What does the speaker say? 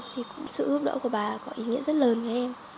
thì sự hướng được của bà có ý nghĩa rất lớn với em